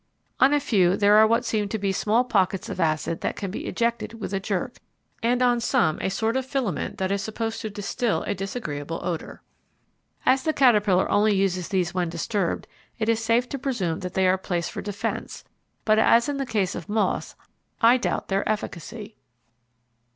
On a few there are what seem to be small pockets of acid that can be ejected with a jerk, and on some a sort of filament that is supposed to distil a disagreeable odour. As the caterpillar only uses these when disturbed, it is safe to presume that they are placed for defence, but as in the case of moths I doubt their efficacy.